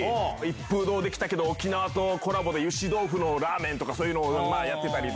一風堂できたけど沖縄とコラボでゆし豆腐のラーメンとかそういうのやってたり。